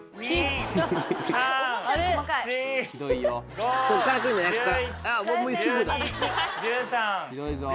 ひどいぞ。